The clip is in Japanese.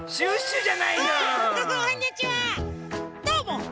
どうも！